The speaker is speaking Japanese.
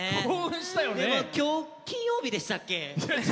でも、今日金曜日でしたっけ？